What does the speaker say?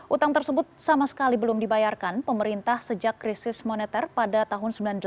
utang tersebut sama sekali belum dibayarkan pemerintah sejak krisis moneter pada tahun seribu sembilan ratus delapan puluh